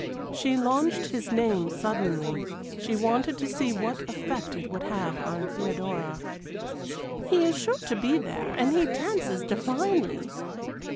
She launched his name suddenly; she wanted to see what effect it would have on Theodora. "He is sure to be there, and he dances divinely."